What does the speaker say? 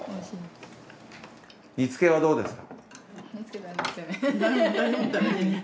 煮付けはどうですか？